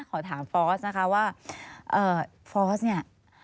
ขอถามฟอสนะคะว่าฟอร์สเนี่ย